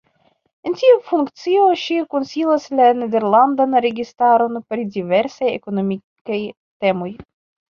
En tiu funkcio ŝi konsilas la nederlandan registaron pri diversaj ekonomikaj temoj.